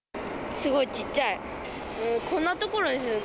すごいちっちゃい。